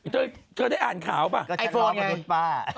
เธอได้อ่านข่าวป่ะ